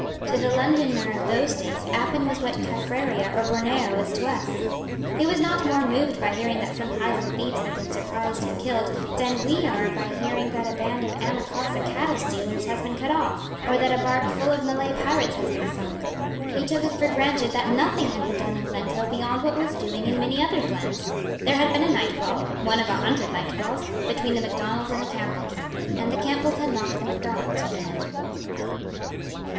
To the Londoner of those days Appin was what Caffraria or Borneo is to us. He was not more moved by hearing that some Highland thieves had been surprised and killed than we are by hearing that a band of Amakosah cattle stealers has been cut off, or that a bark full of Malay pirates has been sunk. He took it for granted that nothing had been done in Glencoe beyond what was doing in many other glens. There had been a night brawl, one of a hundred night brawls, between the Macdonalds and the Campbells; and the Campbells had knocked the Macdonalds on the head.